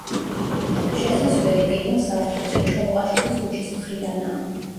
შესასვლელი პირველ სართულზე, ჩოლოყაშვილის ქუჩის მხრიდანაა.